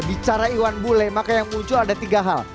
bicara iwan bule maka yang muncul ada tiga hal